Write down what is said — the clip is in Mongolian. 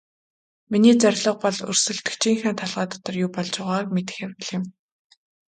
Миний зорилго бол өрсөлдөгчийнхөө толгой дотор юу болж байгааг мэдэх явдал юм.